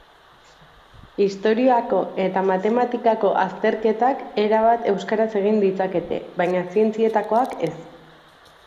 Historiako eta matematikako azterketak euskaraz egin ditzakete, baina zientzietakoak ez.